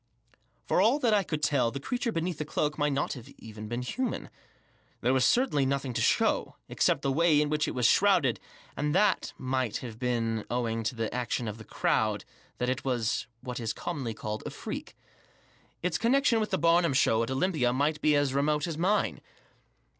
For all that I could tell the creature beneath the cloak might not have been human. There was certainly nothing to show — except the way in which it was shrouded, and that might have Digitized by 152 THE JOSS. been owing to the action of the crowd — that it was what is commonly called a freak. Its connection with the Barnum Show at Olympia might be as remote as mine.